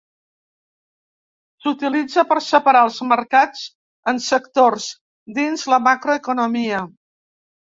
S'utilitza per separar els mercats en sectors dins la macroeconomia.